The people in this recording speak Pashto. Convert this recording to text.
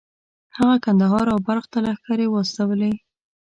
هغه کندهار او بلخ ته لښکرې واستولې.